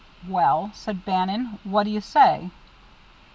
"Well," said Bannon, "what do you say?"